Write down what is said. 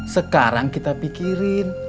sekarang kita pikirin